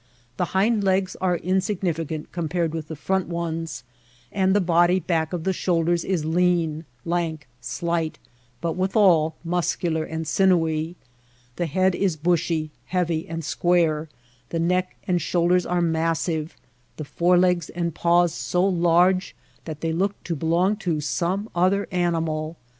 The hind legs are in significant compared with the front ones, and the body back of the shoulders is lean, lank, slight, but withal muscular and sinewy. The head is bushy, heavy, and square, the neck and shoulders are massive, the forelegs and paws so large that they look to belong to some other an imal.